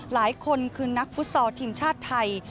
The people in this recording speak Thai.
หลายคนคือนักฟุตซอลทีมชาติไทย